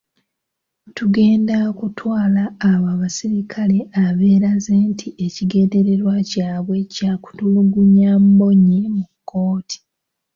Tugenda kutwala abo abasirikale abeeraze nti ekigenderwa kyabwe kyatulugunya Mbonye mu kooti.